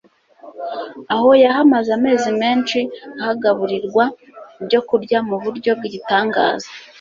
Aho yahamaze amezi menshi ahagaburirwa ibyokurya mu buryo bwigitangaza